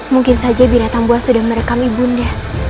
mungkin saja binatang buas sudah merekam ibunda